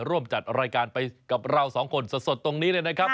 ร่วมจัดรายการไปกับเราสองคนสดตรงนี้เลยนะครับ